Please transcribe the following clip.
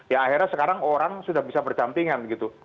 ya akhirnya sekarang orang sudah bisa berdampingan gitu